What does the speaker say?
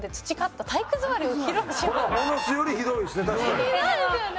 ほのすよりひどいですね